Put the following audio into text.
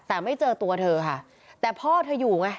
แต่ไม่เจอตัวเธอค่ะแต่พ่อเธออยู่ไง